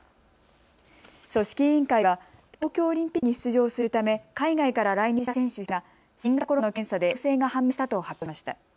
組織委員会は東京オリンピックに出場するため海外から来日した選手１人が新型コロナの検査で陽性が判明したと発表しました。